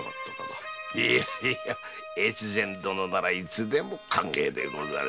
越前殿ならいつでも歓迎でござる。